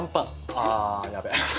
あやべえ。